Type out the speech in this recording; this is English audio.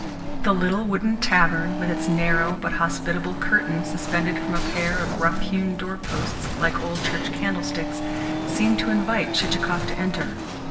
The little wooden tavern, with its narrow, but hospitable, curtain suspended from a pair of rough hewn doorposts like old church candlesticks, seemed to invite Chichikov to enter.